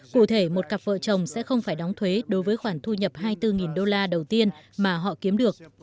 cụ thể một cặp vợ chồng sẽ không phải đóng thuế đối với khoản thu nhập hai mươi bốn đô la đầu tiên mà họ kiếm được